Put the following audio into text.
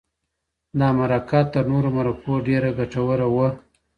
دا مرکه تر نورو مرکو ډېره ګټوره وه.